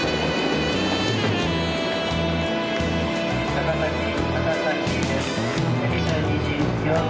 「高崎高崎です」